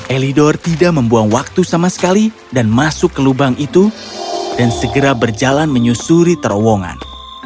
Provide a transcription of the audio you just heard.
elidor tidak membuang waktu sama sekali dan masuk ke lubang itu dan segera berjalan menyusuri terowongan